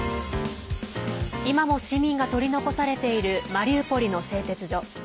今も市民が取り残されているマリウポリの製鉄所。